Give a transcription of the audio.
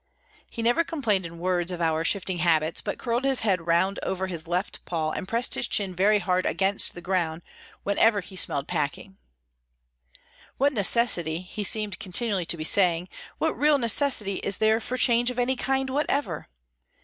He never complained in words of our shifting habits, but curled his head round over his left paw and pressed his chin very hard against the ground whenever he smelled packing. What necessity, he seemed continually to be saying, what real necessity is there for change of any kind whatever?